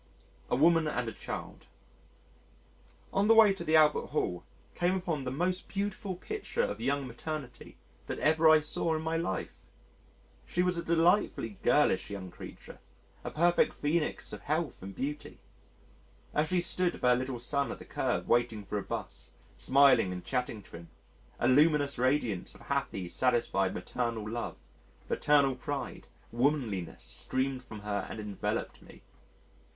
A Woman and a Child On the way to the Albert Hall came upon the most beautiful picture of young maternity that ever I saw in my life. She was a delightfully girlish young creature a perfect phœnix of health and beauty. As she stood with her little son at the kerb waiting for a 'bus, smiling and chatting to him, a luminous radiance of happy, satisfied maternal love, maternal pride, womanliness streamed from her and enveloped me.